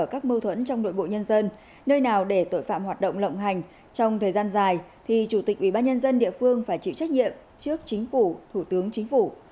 của ủy ban nhân dân địa phương phải chịu trách nhiệm trước chính phủ thủ tướng chính phủ